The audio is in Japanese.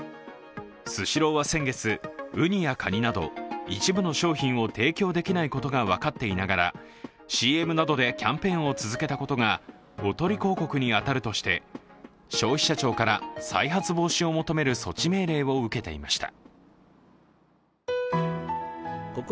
スシローは先月、うにや、かになど一部の商品を提供できないことが分かっていながらＣＭなどでキャンペーンを続けたことが、おとり広告に当たるとして東京電力の旧経営陣４人に対し１３兆円余りの賠償が命じられました。